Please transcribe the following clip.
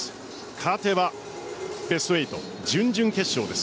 勝てばベスト８準々決勝です。